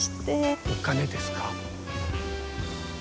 お金ですか？